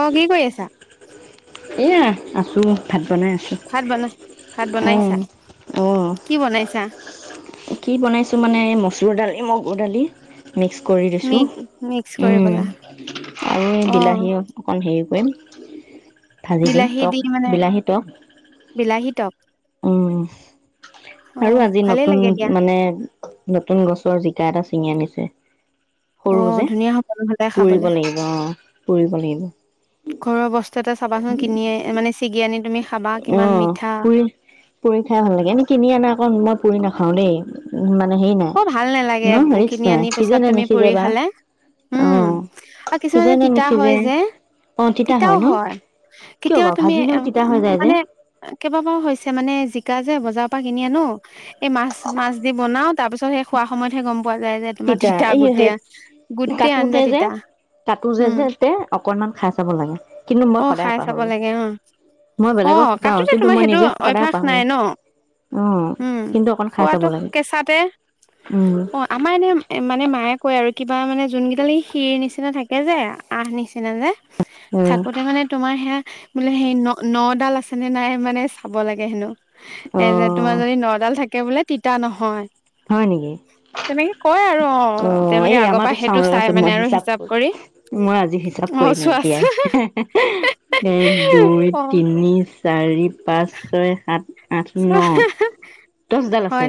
অ কি কৰি আছা এয়া আছো ভাত আহ বহ কি বনাইছো মানে এই মচুৰ। ডালি মগুৰডালি মিক্স কৰি দিছো উম আৰু এই বিলাহী অকণ হে [unintelligible] ভাজি দিম টক বিলাহী টক উ আৰু আজি নতুন মানে নতুন গছৰ জিকা এটা ছিঙি আনিছে সৰু যে পুৰিব লাগিব অ পুৰিব লাগিব চাবা [unintelligible] কিনিয়ে মানে চিগি আনি তুমি অ পুৰি পুৰি খাই ভাল লাগে এনে কিনি আনা আকৌ [unintelligible] শু নাখাওঁ দেই অ ভাল নালাগে কিনি আনি পিছত তুমি পুৰি খালে উম আৰু কিছুমানে তিতা হয় যে তিতাও হয় কেতিয়াবা তুমি [unintelligible] মানে কেইবাবাৰ হৈছে মানে [unintelligible] যে বজাৰৰ পৰা কিনি আনো এই মাছ মাছ দি বনাও তাৰ পিছত সেই খোৱা সময়তহে গম পোৱা যায় যে তোমাৰ তিতা গোটেই গোটেই আনজা তিতা হম অ খাই চাব লাগে উ অ কাতোতে তোমাৰ সেইটো অভ্য়াস নাই ন উম খোৱাটো কেঁচাতে অ আমাৰ এনে মানে মায়ে কয় আৰু কিবা মানে যোন [unintelligible] লি শিৰ নিচিনা থাকে [unintelligible] যে আহ নিচিনা যে থাকোতে মানে তোমাৰ সেয়া বোলে সেই ন নডাল আছেনেে নাই মানে চাব লাগে হেনো এই যে তোমাৰ যদি নডাল থাকে কে বোলে তিতা নহয় হয় নেকি অ এই আমাৰো চাও ৰাচোন মই হিচাপ কৰিম মই আজি হিচাপ কৰিমেই এতিয়াই এক দুই তিনি চাৰি পাঁচ ছয় সাত [unintelligible] দছডাল আছে।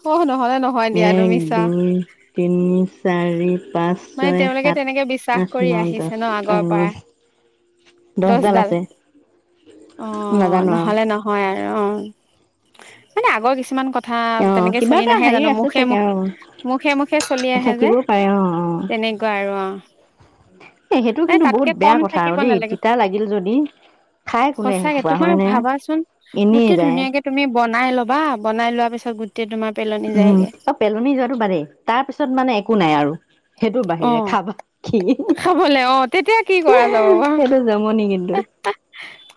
[unintelligible] একদম তিনি চাৰি মানে তেওঁলোকে তেনেকে বিশ্বাস কৰি আহিছে ন আগৰ পৰা দহডাল অ নহলে নহয় আৰু অ মানে আগৰ কিছুমান কথা কথা তেনেকে চলি নাহে জানো মুখে মুখে মুখে মুখে চলি আহে যে তেনেকুৱা আৰু অ এ সেইটো কিন্তু বহুত বেয়া কথা সচাকে আৰু তোমাৰ ভাবাচোন গোটেই ধুনীয়াকে তুমি বনাই লবা বনাই লোৱা পিছত থাক উম অ পেলনি যোৱাটো বাদেই তাৰ পিছত মানে একো নাই আৰু আহ খাবলে অ তেতিয়া কি কৰা যাব বাৰু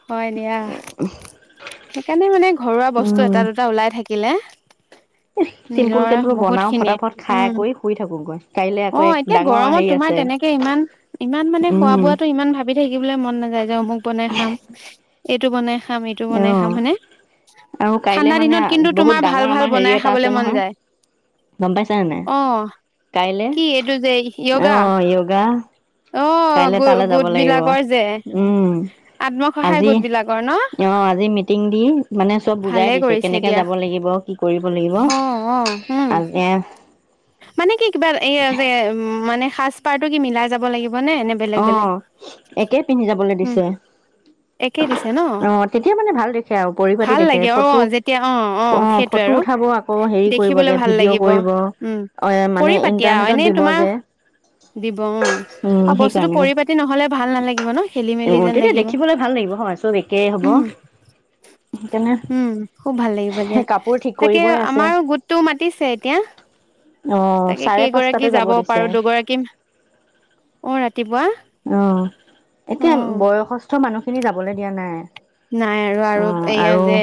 হয় দিয়া সেইকাৰণে মানে ঘৰুৱা বস্তু এটা দুটা ওলাই থাকিলে চিম্পুল কে বোলো বনাও ফটাফট খাই কৰি শুই থাকোগৈ। অ এতিয়া গৰমত তোমাৰ তেনেকে ইমান ইমান মানে খোৱা বোৱাটো ইমান ভাবি থাকিবলৈ মন নাযায় যে অমুক বনাই খাম এইটো মানে খাম এইটো বনাই খাম হানে ঠাণ্ডা দিনত কিন্তু তোমাৰ ভাল ভাল বনাই খাবলে মন যায় অ এইটো যে য়োগা কাইলৈ তালৈ যাব লাগিব উম আজি অ আজি মিটিং দি মানে চব বুজাই দিছে কেনেকে যাব লাগিব কি কৰিব লাগিব আজি মানে কি কিবা এ যে উ মানে। সাজপাৰটো কি মিলাই যাব লাগিব অ একেই পিন্ধি যাবলৈ দিছে অ তেতিয়া মানে ভাল দেখে আৰু পৰিপতিি দেখে ফটো অ ফটো উঠাব আকৌ হেৰি কৰিব যে ভিডিঅ' কৰিব উম পৰি পাতি এনেই তোমাৰ দিব উ আৰু বস্তুটো পৰিপাতি নহলে ভাল নালাগিব ন খেলি মেলি যেন লাগিব উম হম খুব ভাল লাগিব দিয়া তাকে আমাৰো গোটটো মাতিছে এতিয়া তাকে কেইগৰাকী যাব পাৰো দুগৰাকী অ ৰাতিপুৱা অ এতিয়া বয়সস্থ। মানুহখিনি যাবলৈ দিয়া নাই। নাই আৰু আৰু এইয়া যে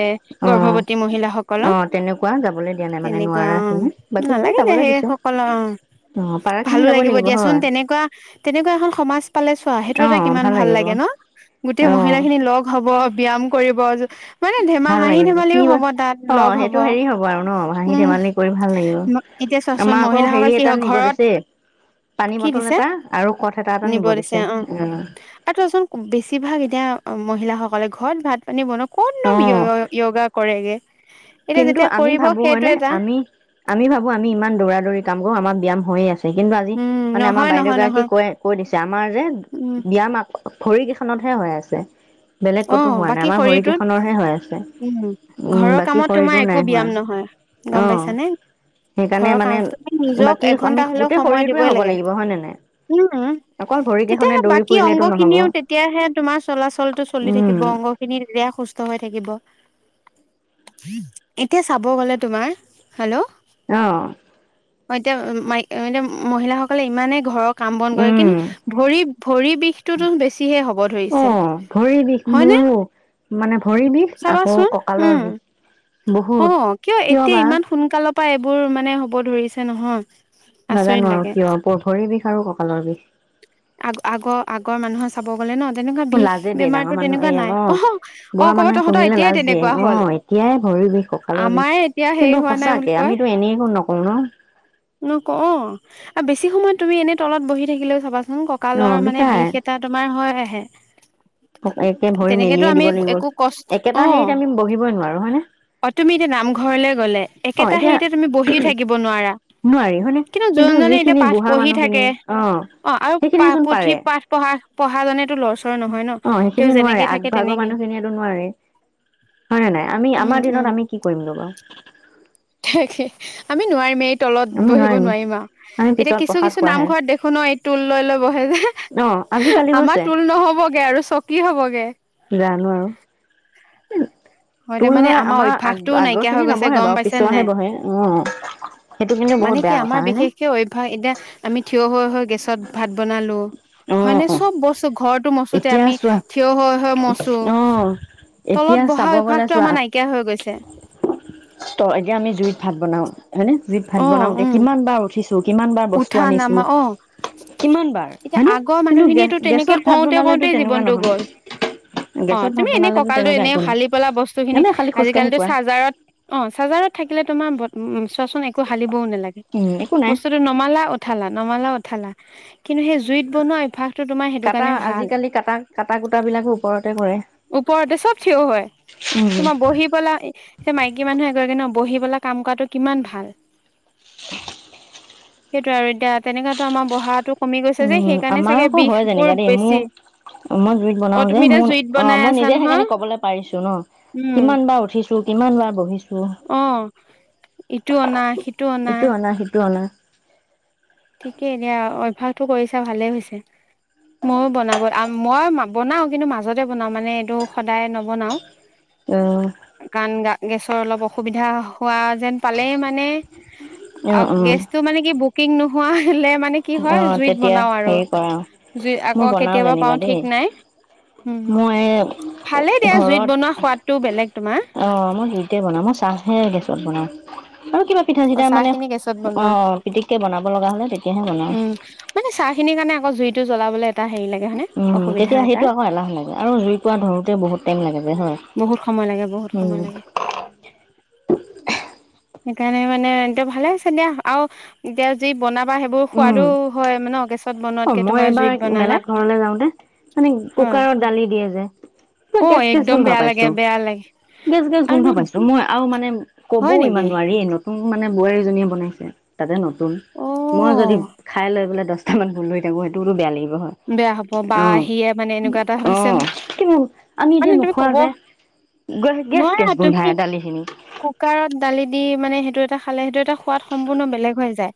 গৰ্ভৱতী মহিলাসকলৰ তেনেকুৱা অ নালাগে দিয়া সেই সকলৰ অ ভালো লাগিব দিয়াচোন তেনেকুৱা তেনেকুৱা এখন সমাজ পালে চোৱা সেইটো এটা কিমান ভাল লাগে ন গোটেই মহিলা খিনি লগ হ'ব কৰিব মানে ধেমা হাঁহি ধেমালিও হব তাত লগ হব উম এতিয়া চোৱাচোন মহিলাাসকল কি হয় ঘৰত কি দিছে নিব দিছে অ আৰু তোৱাচোন বেছিভাগ এতিয়া মহিলাসকল কলে ঘৰত ভাত পানী বনওঁ কতনো য়োগা কৰে যে কিন্তু আমি ভাবো হয়নে আমি আমি ভাবো আমি ইমান দৌৰা দৌৰি কাম কৰো আমাৰ ব্যায়াম হৈয়ে আছে। কিন্তু আজি মানে আমাৰ বাইদেউ গৰাকী কৈ কৈ দিছে আমাৰ যে ব্যয়াম ভৰি কেইখনতহে হৈ আছে। বেলেগ ক'তো হোৱা নাই আমাৰ ভৰি কেইখনৰহে হৈ আছে উম বাকী তোমাৰ একো ব্যায়াম নহয় গম পাইছানে ঘৰৰ কাম তমি নিজক এঘন্টা হলেও সময় দিবই লাগে উম তেতিয়াহে বাকী অংগ খিনিও তেতিয়াহে তোমাৰ চলাচলটো চলি থাকিব অংগ খিনি তেয়া সুস্থ হৈ থাকিব। এতিয়া চাব গলে তোমাৰ হেল্ল' আহ এতিয়া এতিয়া মহিলাসকলে ইমানেই ঘৰৰ কাম বন কৰে কিন্তু ভৰি ভৰি বিষটোতো বেছিহে হব ধৰিছে ভৰি বিষ মোৰো মানে ভৰিৰ বিষ আকৌ কঁকালৰ বিষ বহুত কিয় বা পাৰাই এইবোৰ মানে হ'ব ধৰিছে নহয় নাজানো আৰু কিয় পভৰি বিষ আৰু ককাল পালৰ বিষ আগ আগৰ আগৰ মানুহৰ চাব গ'লে ন লাজে দিয়ে ডাঙৰ মানুহ এই অ বুঢ়া মানুহে পুহিলে লাজ দিয়ে অ এতিয়াই ভৰি বিষ সকালৰ বিষ কিন্তু সঁচাকে আমিতো এনেই একো নক ও অণ। নক অ আৰু বেছি সময়ত তুমি এনে তলত বহি থাকিলেও চাবা উম কঁকালৰ মানে বিষ এটা তোমাৰ হয় হে একে ভৰি মেলিয়ে দিব লাগিব একেটা হেৰিত আমি বহিবই নোৱাৰো হয় নে। একেটা হেৰিতে তুমি বহি থাকিব নোৱাৰা নোৱাৰি হয় ন কিন্তু যিখিনি বুঢ়া মানুহখিনি অ সেইখিনিয়েচোন পাৰে। অ সেইখিনিয়ে নোৱাৰে আগভাগৰ মানুহখিনিয়টো নোৱাৰে হয় নে নাই আমি আমাৰ দিনত আমি কি কৰিম ল'ৰু ত আমি নোৱাৰিমে এই তলত বহিব নোৱাৰিমা এতিয়া কিছু কিছু নামঘৰত দেখো ন এই তটোল লৈ লৈ বহে যে আমাৰ তুল নহ'বগে আৰু চকী হ'বগে। জানো আৰু। উম। হয় মানে আমাৰ অভ্যাসটোও নাইকিয়া হৈ গৈছে গম পাইছে নে নাই মানে কি আমাৰ বিশেষকে অভ্যাস এতিয়া আমি থিয় হৈ হৈ গৈছো। ত ভাত বনা। হয় নে‌ চব বস্তু ঘৰটো মচোতে আমি থিয় হৈ হৈ মচো তলত বহা অভ্যাস। শ্বাসটো আমাৰ নাইকিয়া হৈ গৈছে। ত এতিয়া আমি জুইত ভাত বনাও। হয়নে‌ জুইত ভাত বনাওতে কিমান বাৰ উঠিছো কিমান বাৰ বস্তু আনিছো কিমান বাৰ। আগৰ মানুহখিনিয়েতো তেনেকে কওঁতে কওঁতে জীৱনতটো গ'ল অ তুমি এনেই কঁকালতো এনেই হালি পেলা বস্তু খিনি আজিকালি চাৰ্জাৰত অ চাৰ্জাৰত থাকিলে তোমাৰ। উম উম চুৱা‌চো। টো হালিবও নালাগে বস্তুটো নমালা উঠালা। নমালা উঠালা। কিন্তু সেই জুইত বনোৱা অভ্যাসটো তোমাৰ সেইটো কাৰণে ভাল ওপৰতে চব থিয় হয় তোমাৰ বহি পেলা এতিয়া মাইকী মানুহ এগৰাকী ন। বহি পেলাই কাম কৰাটো কিমান ভাল। সেইটোৱে আৰু এতিয়া তেনেকোৱাতো আমাৰ বহাতো। উম আমাৰ আকৌ হয় যেনিবা দেই মোৰ মই জুইত বনাও যে মোৰ অ মই নিজে সেইকাৰণে কবলৈ পাৰিছো ন কিমান বাৰ উঠিছো কিমান বাৰ বহিছো। অহ ইটো অনা সিটো অনা। ঠিকেই এনে অভ্যাস। টো কৰিছা ভালেই হৈছে। মইও বনাব আৰু। মই বনাও কিন্তু মাজতে বনাও মানে এইটো সদায় নবনাও। অহ। গেছৰ অলপ অসুবিধা হোৱা। যেন পালেই মানে অ গেছটো মানে কি বুক। কিংনো। কোৱা। অ তেতিয়া হেৰি কৰা মই বনাও যেনিবা দেই, মই ঘৰত অহ মই হেৰিতে বনাওঁ মই চাহে গেছত বনাওঁ। উ আৰু কিবা পিঠা চিঠা মানে অ পিতিককে বনাব লগা হলে। উম মানে চাহ খিনিৰ কাৰণে আকৌ জুইত। জ্বলাবলৈ এটা হেৰি লাগে। উম তেতিয়া সেইটো আক এলাহ লাগে আৰু জুইকোৱা ধৰোতেে বহুত টাইম লাগে বহুত সময় লাগে বহুত সময় লাগে সেইকাৰণে মানেতি ভালে হৈছে দিয়া আৰু এতিয়া যি বনাবা সেইবোৰ সোৱাদো হয় মানে গেছ অ মই এবাৰ মেলা ঘৰলে যাওতে মানে কুকাৰত দালি দিয়ে যে কেচ কেচ গোন্ধ পাইছোঁ। গেছ গেছ গোন্ধ পাইছোঁ, মই আৰু- মানে- ক'বও ইমান নোৱাৰিএ ন। মানে বোৱাৰীজনীয়ে বনাইছে তাতে নত মই যদি খাই লৈলে দ [unintelligible] লৈ থাক সটোো বয়া লাগিব বেয়া হব বা আহিয়ে মানে এনেকুৱা এটা হৈছে ন মে তুমি কব নোৱাৰা তুমি কুকাৰত দালি দি মানে সেইটো এ খালে সেইটো এটা সোৱাদ সম্পূৰ্ণ বেলেগ হৈ যায়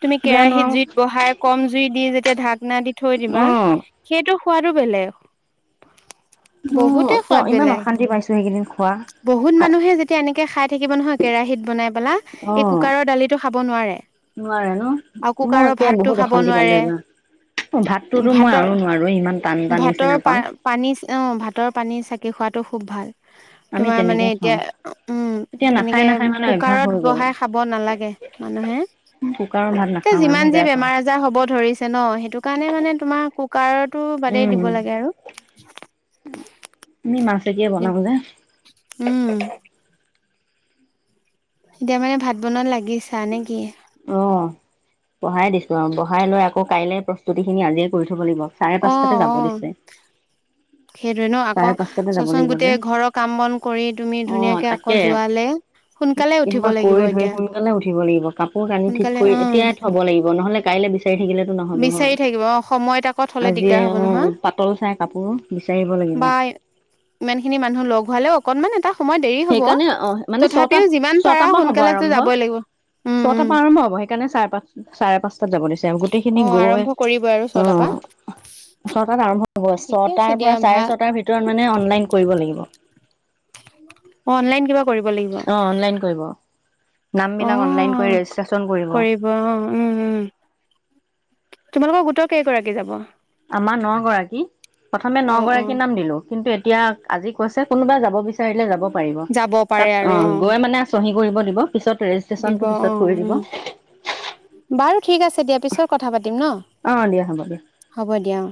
তুমি কেৰাহিতত জুইত বহাই কম জুই দি যেতিয়া ধাত নাই থৈ দিবা সেইটো খোৱাৰো বেলেগ বহুতে সোৱাদ বেলাই বহুত মানুহে যেতিয়া এনেকে খাই থাকিব নহয় কেৰাহিত বনাই পেলা। এই কুকাৰৰ দালিটো খাব নোৱাৰে। আৰু কুকাৰৰ ভাতটো খাব নোৱাৰে। ভাতৰ, ভাতৰ পা পানীচ অহ, ভাতৰ পানী চা- থাকি খোৱাটো খুব ভাল। তোমাৰ মানে এতিয়া উম এনেকে কুকাৰত বহাই খাব নালাগে মানুহে এতিয়া যিমান যি বেমাৰ আজাৰ হ'ব ধৰিছে ন সেইটো কাৰণে মানে তোমাৰ কুকাৰত টো বাদেই দিব লাগে আৰু। উম উম এতিয়া মানে ভাত বনোৱাত লাগিছা নেকি? অহ, বঢ়াই দিছোঁ আৰু। বঢ়াই লৈ আকৌ কাইলে প্ৰস্তুতিখিনি আজিয়ে কৰি থব লাগিব। অ অ সেইটো চাৰে পাঁচটাতে যাব লাগিব যে। অহ তাকে। কিবা কৰি ধৰি সোনকালে উঠিব লাগিব। কাপোৰ কানি ঠিক কৰি এতিয়াই থব লাগিব, নহ'লে কাইলৈ বিচ- বিচাৰি থাকিলেতো নহব হয় আজি অ পাতল চাই কাপোৰ বিচাৰিব লাগিব বা ইমান খিনি মানুহ লগ হালেও কণমান এটা সেইকাৰণে অ মানে ছয়টাত ছটাৰ পৰা হব আৰম্ভ ছটাৰ পৰা আৰম্ভ হব সেইকাৰণে চাৰে পাঁচ চাৰে পাঁচ [unintelligible] ক'ত যাব দিচ- তেওঁ গোটেই খিনি গৈ, অহ। ছটাত আৰম্ভ হ'ব, ছটাৰ‌ পৰা চাৰে-ছটাৰ ভিতৰত মানে অনলাইন কৰিব লাগিব। [unintelligible] অনলাইন দিয়েক অহ অনলাইন কৰিব। নামবিলাক অনলাইন কৰি ৰেজিষ্ট্ৰেশ্যন কৰিব। তোমালোকৰ গোটৰ কেইগৰাকী যাব আমাৰ ন গৰাকী। প্ৰথমে ন গৰাকী নাম দিলোঁ। কিন্তু এ- তিয়াক আজি কৈছে, কোনোবা যাব বিচাৰিলে যাব- পাৰিব। তাত অহ, গৈ মানে চহী কৰিব- কৰিবিব দিব অ উ বাৰু ঠিক আছে পিছত কথা পাতিম ন হ'ব দিয় অ